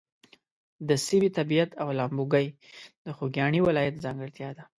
د سیمې طبیعت او لامبوګۍ د خوږیاڼي ولایت ځانګړتیا ده.